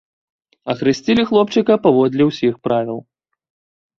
Ахрысцілі хлопчыка паводле ўсіх правіл.